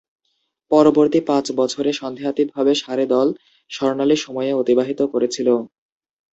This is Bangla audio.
পরবর্তী পাঁচ বছরে সন্দেহাতীতভাবে সারে দল স্বর্ণালী সময়ে অতিবাহিত করেছিল।